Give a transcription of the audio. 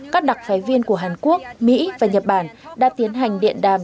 các đặc phái viên của hàn quốc mỹ và nhật bản đã tiến hành điện đàm